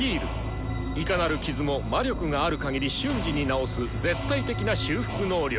いかなる傷も魔力があるかぎり瞬時に治す絶対的な修復能力。